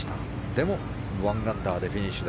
でも１アンダーでフィニッシュ。